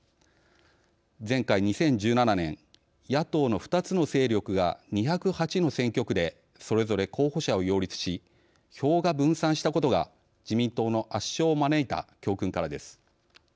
前回２０１７年野党の２つの勢力が２０８の選挙区でそれぞれ候補者を擁立し票が分散したことが自民党の圧勝を招いた教訓からです。